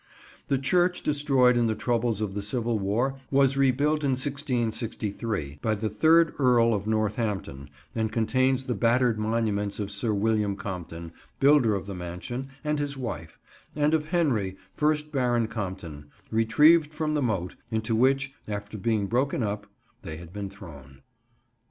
The church destroyed in the troubles of the civil war was rebuilt in 1663 by the third Earl of Northampton, and contains the battered monuments of Sir William Compton, builder of the mansion, and his wife; and of Henry, first Baron Compton; retrieved from the moat, into which, after being broken up, they had been thrown.